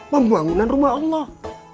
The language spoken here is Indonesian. pembangunan rumah allah